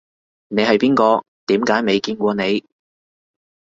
你係邊個？點解未見過你